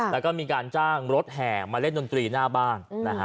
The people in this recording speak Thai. แล้วก็มีการจ้างรถแห่มาเล่นดนตรีหน้าบ้าน